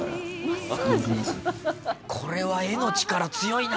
これは画の力強いな。